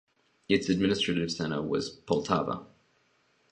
Its administrative centre was Poltava.